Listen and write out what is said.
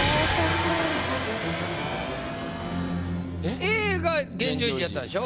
Ａが現状維持やったでしょ？